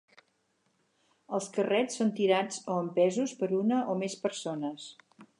Els "carrets" són tirats o empesos per una o més persones.